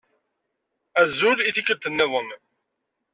Azul i tikkelt-nniḍen.